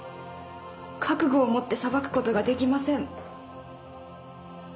覚悟を持って裁くことができません。